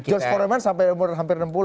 george parlemen sampai umur hampir enam puluh